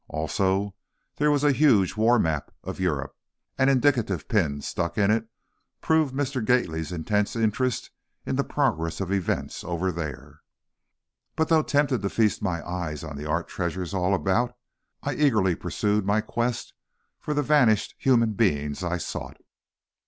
Also, there was a huge war map of Europe, and indicative pins stuck in it proved Mr. Gately's intense interest in the progress of events over there. But though tempted to feast my eyes on the art treasures all about, I eagerly pursued my quest for the vanished human beings I sought.